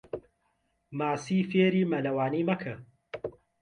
ماسی فێری مەلەوانی مەکە.